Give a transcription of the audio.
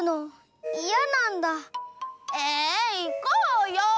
えいこうよ！